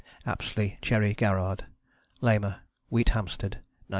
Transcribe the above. APSLEY CHERRY GARRARD. Lamer, Wheathampstead, 1921.